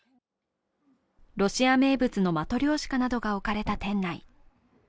ロシア名物のマトリョーシカなどが置かれた店内。